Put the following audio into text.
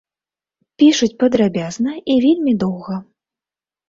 Пішуць падрабязна і вельмі доўга.